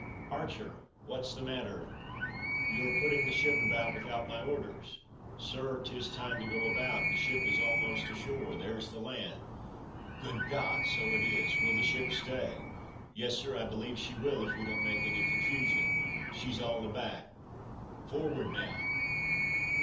"Archer, what 's the matter? you are putting the ship about without my orders!" "Sir, 'tis time to go about! the ship is almost ashore, there 's the land." "Good God so it is! Will the ship stay?" "Yes, Sir, I believe she will, if we don't make any confusion; she's all aback forward now?"